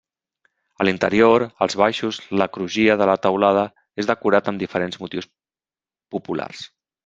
A l'interior, als baixos la crugia de la teulada és decorat amb diferents motius populars.